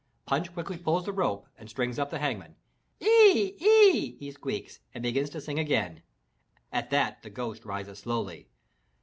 Punch quickly pulls the rope and strings up the Hangman. "Oee! Oee!" he squeaks and begins to sing again. At that the ghost rises slowly.